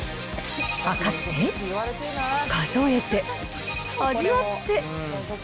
量って、数えて、味わって。